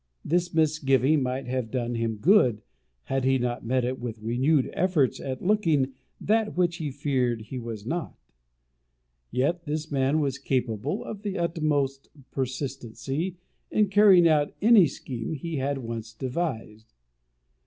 This misgiving might have done him good, had he not met it with renewed efforts at looking that which he feared he was not. Yet this man was capable of the utmost persistency in carrying out any scheme he had once devised.